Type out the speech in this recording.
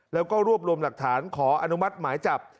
แล้วก็รวบรวมหลักฐานขออนุมัติหมายจับ